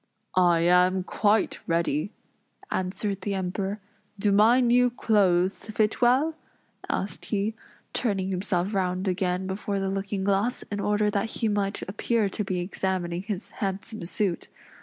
"I am quite ready," answered the Emperor. "Do my new clothes fit well?" asked he, turning himself round again before the looking glass, in order that he might appear to be examining his handsome suit.